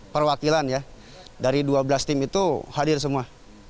perwakilan ya dari dua belas tim itu hadir semua